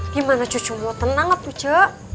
gimana cucu mau tenang tuh cu